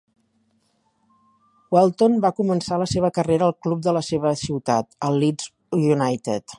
Walton va començar la seva carrera al club de la seva ciutat, el Leeds United.